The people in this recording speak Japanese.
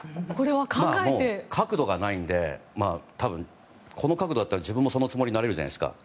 角度がないので多分この角度だったら自分もそのつもりになれるじゃないですか。